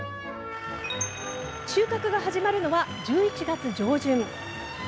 収穫が始まるのは、１１月上旬。